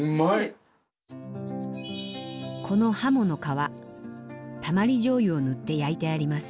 この鱧の皮たまりじょうゆを塗って焼いてあります。